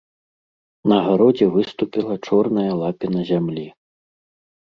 На гародзе выступіла чорная лапіна зямлі.